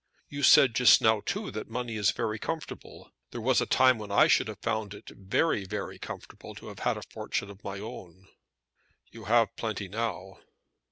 You said just now, too, that money is very comfortable. There was a time when I should have found it very, very comfortable to have had a fortune of my own." "You have plenty now."